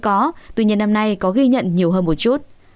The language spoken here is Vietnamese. có tuy nhiên năm nay có ghi nhận nhiều hơn một chút